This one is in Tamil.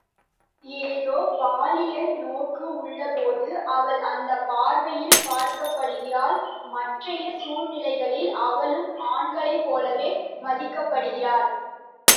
ஏதோ பாலியல் நோக்கு உள்ளபோது அவள் அந்தப் பார்வையில் பார்க்கப்படுகிறாள் மற்றைய சூழ்நிலைகளில் அவளும் ஆண்களைப் போலவே மதிக்கப்படுகிறாள்.